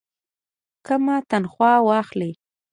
کمه تنخواه واخلي.